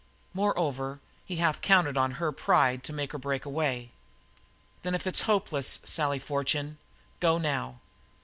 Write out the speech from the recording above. Moreover, he half counted on her pride to make her break away. "Then if it's hopeless, Sally Fortune, go now."